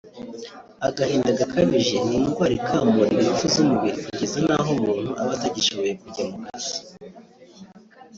Agahinda gakabije ni indwara ikamura ingufu z’umubiri kugeza n’aho umuntu aba atagishoboye kujya mu kazi